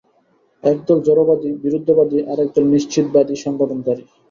একদল জড়বাদী, বিরুদ্ধবাদী, আর একদল নিশ্চিতবাদী সংগঠনকারী।